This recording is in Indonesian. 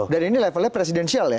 dan ini levelnya presidensial ya